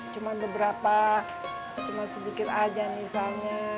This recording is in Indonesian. cuma beberapa cuma sedikit aja misalnya